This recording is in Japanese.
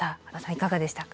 いかがでしたか？